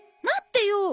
待ってよ。